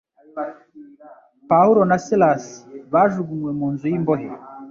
pawulo na silasi bajugunywe mu nzu y imbohe